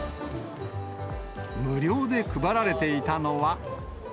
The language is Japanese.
無料で配られていたのは。